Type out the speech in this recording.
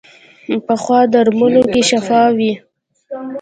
پخو درملو کې شفا وي